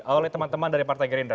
oleh teman teman dari partai gerindra